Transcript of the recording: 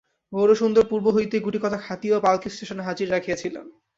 গৌরসুন্দর পূর্ব হইতেই গুটিকতক হাতি ও পালকি স্টেশনে হাজির রাখিয়াছিলেন।